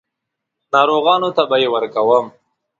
ناروغانو ته به یې ورکوم.